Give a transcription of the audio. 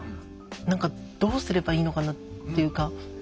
何かどうすればいいのかなっていうか。